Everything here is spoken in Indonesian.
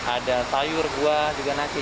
ada sayur buah juga nasi